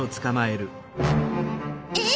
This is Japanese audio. え？